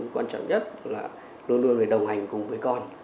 quan trọng nhất là luôn luôn đồng hành cùng với con